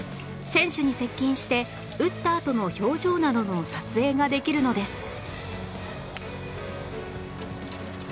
選手に接近して打ったあとの表情などの撮影ができるのです